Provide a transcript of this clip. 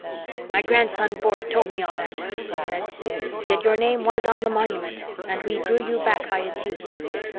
"My grandson Bork told me all that," he said. "Yet your name was on the monument, and we drew you back by its use.